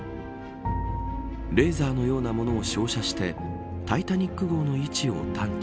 レーザーのようなものを照射してタイタニック号の位置を探知。